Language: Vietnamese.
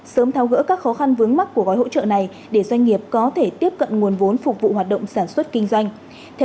sớm thao gỡ các khó khăn vướng mắt của gói hỗ trợ này để doanh nghiệp có thể tiếp cận nguồn vốn phục vụ hoạt động sản xuất kinh doanh